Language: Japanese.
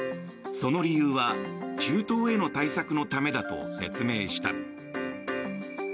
その理由は中東への対策のためだと説明した。